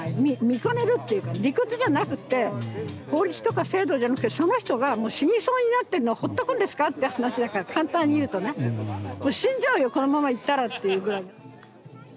見かねるっていうかね理屈じゃなくて法律とか制度じゃなくてその人がもう死にそうになってるのをほっとくんですかって話だから簡単に言うとね死んじゃうよこのままいったらっていうぐらいに。